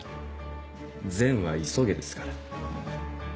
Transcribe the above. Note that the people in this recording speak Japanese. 善は急げですから。